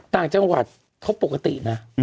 ต่างจังหวัดเขาปกตินะ